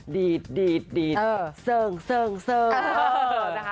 ดีดสึงสึง